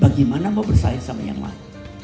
bagaimana mau bersaing sama yang mana